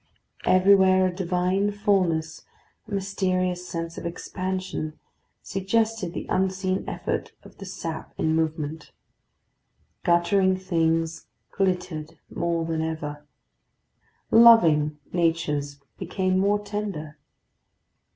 Everywhere a divine fulness, a mysterious sense of expansion, suggested the unseen effort of the sap in movement. Guttering things glittered more than ever; loving natures became more tender.